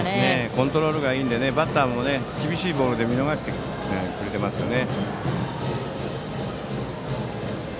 コントロールがいいのでバッターも厳しいボールを見逃してくれてますね。